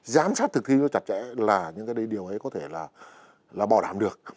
giám sát thực thi nó chặt chẽ là những cái điều ấy có thể là bảo đảm được